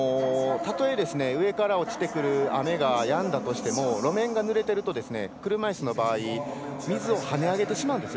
たとえ上から落ちてくる雨がやんだとしても路面がぬれていると車いすの場合水をはねあげてしまうんです。